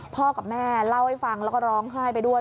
กับแม่เล่าให้ฟังแล้วก็ร้องไห้ไปด้วย